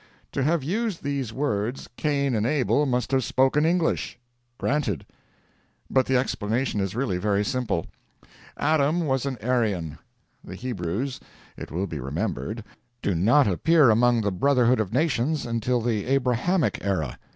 To have used these words, Cain and Abel must have spoken English. Granted. But the explanation is really very simple. Adam was an Aryan, [ The Hebrews, it will be remembered, do not appear among the brotherhood of nations until the Abrahamic era.